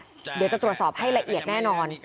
เดี๋ยวจะตรวจสอบให้ละเอียดแน่นอน